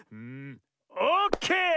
オッケー！